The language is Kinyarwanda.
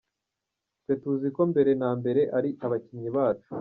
Twe tuziko mbere na mbere ari abakinnyi bacu”.